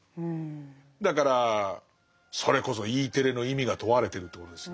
だからそれこそＥテレの意味が問われてるってことですよ。